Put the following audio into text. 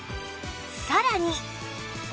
さらに